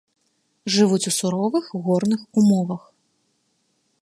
Жывуць у суровых горных умовах.